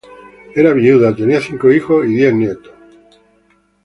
Era viuda, tenía cinco hijos y diez nietos.